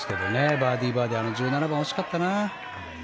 バーディー、バーディーあの１７番、惜しかったな。